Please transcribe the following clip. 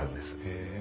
へえ。